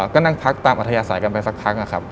ก็นั่งพักตามอัธยาศัยกันไปสักพักนะครับ